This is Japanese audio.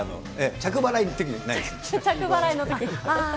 着払いのとき。